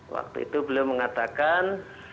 waktu itu belum mengatakan